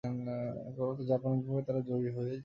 কেবলমাত্র জাপানের বিপক্ষে তারা জয়ী হয়েছিল।